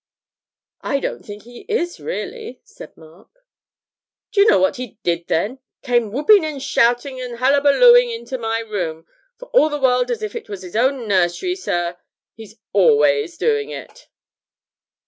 'I don't think he is, really,' said Mark. 'D'ye know what he did, then? Came whooping and shouting and hullabalooing into my room, for all the world as if it was his own nursery, sir. He's always doing it!'